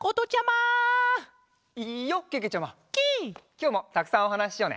きょうもたくさんおはなししようね。